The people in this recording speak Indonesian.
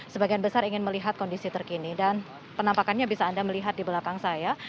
sebagian besar ingin melihat kondisi terkini dan penampakannya bisa anda melihat di belakang saya